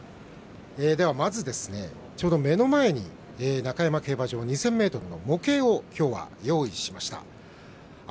まず、目の前に中山競馬場２０００ｍの模型を用意しました。